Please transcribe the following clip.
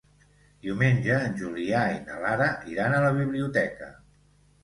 Diumenge en Julià i na Lara iran a la biblioteca.